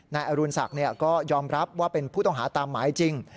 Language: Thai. นายอรุณศักดิ์ก็ยอมรับว่าเป็นผู้ต้องหาตามหมายจริง